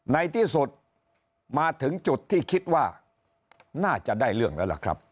ในที่สุดมาถึงจุดที่คิดว่าน่าจะได้เรื่องแล้วล่ะครับ